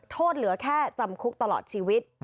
เหลือแค่จำคุกตลอดชีวิต